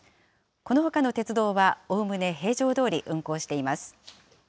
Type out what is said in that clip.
このほかの鉄道は、おおむね平常どおり運行しています。